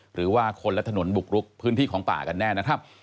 หรือว่าคนและถนนบุกรุกพื้นที่ของป่ากันแน่นะครับ